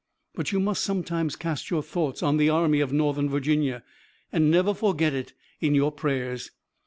But you must sometimes cast your thoughts on the Army of Northern Virginia, and never forget it in your prayers.